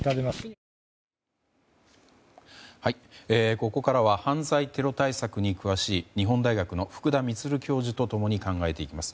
ここからは犯罪テロ対策に詳しい日本大学の福田充教授と共に考えていきます。